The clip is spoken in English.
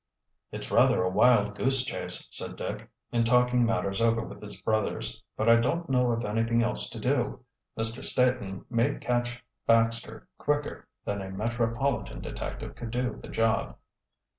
"It's rather a wild goose chase," said Dick, in talking matters over with his brothers. "But I don't know of anything else to do. Mr. Staton may catch Baxter quicker than a metropolitan detective could do the job."